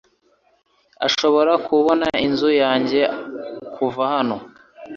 Nshobora kubona inzu yanjye kuva hano .